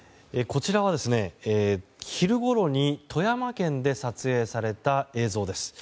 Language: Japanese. こちらは、昼ごろに富山県で撮影された映像です。